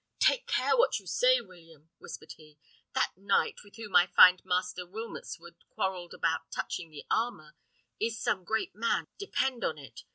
"Take care what you say, William," whispered he; "that knight, with whom I find Master Wilmotswood quarrelled about touching the armour, is some great man, depend on it.